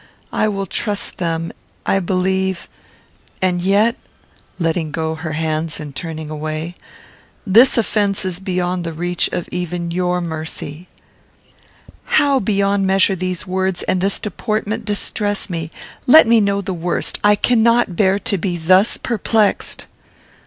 I will trust them, I believe; and yet" (letting go her hands, and turning away) "this offence is beyond the reach even of your mercy." "How beyond measure these words and this deportment distress me! Let me know the worst; I cannot bear to be thus perplexed."